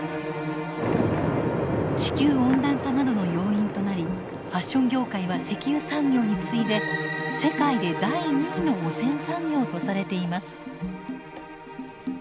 地球温暖化などの要因となりファッション業界は石油産業に次いで世界で第２位の汚染産業とされています。